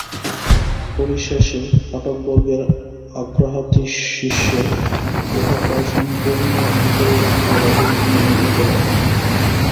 পরিশেষে পাঠকবর্গের আগ্রহাতিশষ্যে উহা প্রায় সম্পূর্ণ অপরিবর্তিত-ভাবেই পুনমুদ্রিত করা হয়।